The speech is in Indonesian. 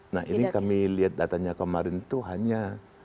nah ini kami lihat datanya kemarin itu hanya